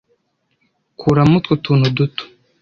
'kuramo utwo tuntu duto